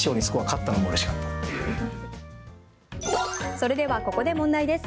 それではここで問題です。